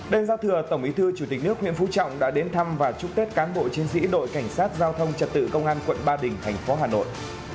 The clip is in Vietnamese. đêm giao thừa tổng bí thư chủ tịch nước nguyễn phú trọng đã đến thăm và chúc tết cán bộ chiến sĩ đội cảnh sát giao thông trật tự công an quận ba đình thành phố hà nội